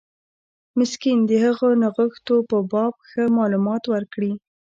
مسکین د هغو نښتو په باب ښه معلومات ورکړي.